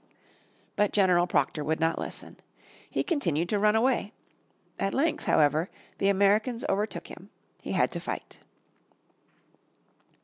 But General Proctor would not listen. He continued to run away. At length, however, the Americans overtook him, he had to fight.